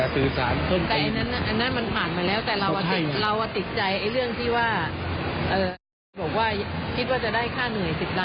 ถึงเราจะรู้สึกไม่ดีเลยค่ะ